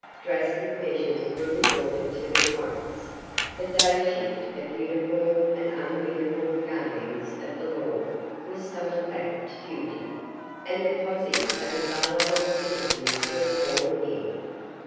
Drastic measures were resorted to at once. The day shift of uniformed and ununiformed guardians of the law was summoned back to duty, and a posse of available citizens were sworn in.